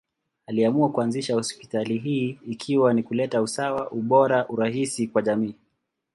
Aliamua kuanzisha hospitali hii ikiwa ni kuleta usawa, ubora, urahisi kwa jamii.